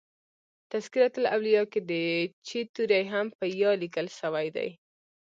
" تذکرةالاولیاء" کښي د "چي" توری هم په "ي" لیکل سوی دئ.